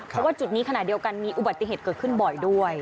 เพราะว่าจุดนี้ขณะเดียวกันมีอุบัติเหตุเกิดขึ้นบ่อยด้วย